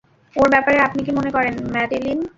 ওর ব্যাপারে আপনি কি মনে করেন, ম্যাডেলিন?